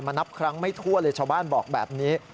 นับครั้งไม่ทั่วเลยชาวบ้านบอกแบบนี้